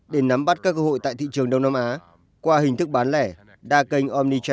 để nắm bắt các cơ hội tại thị trường đông nam á qua hình thức bán lẻ đa kênh omit